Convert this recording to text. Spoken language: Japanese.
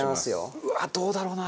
うわっどうだろうな？